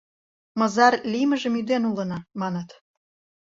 — Мызар лиймыжым ӱден улына, маныт.